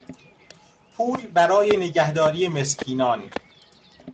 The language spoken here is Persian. پول برای نگهداری مسکینان